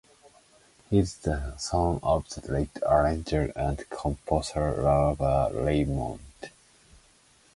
He is the son of the late arranger and composer Ivor Raymonde.